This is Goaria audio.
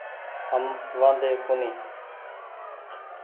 هم وآڌي ڪونيٚ ۔